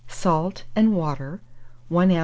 Salt and water, 1 oz.